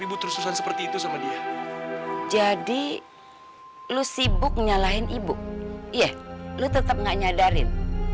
ibu terusan seperti itu sama dia jadi lo sibuk nyalahin ibu iya lu tetap gak nyadarin